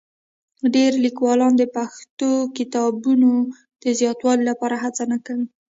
ډېری لیکوالان د پښتو کتابونو د زیاتوالي لپاره هڅه نه کوي.